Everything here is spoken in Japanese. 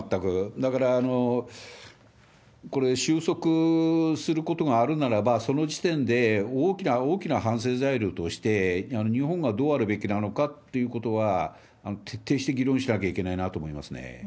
だから、これ、収束することがあるならば、その時点で大きな大きな反省材料として、日本がどうあるべきなのかということは徹底して議論しなきゃいけないなと思いますね。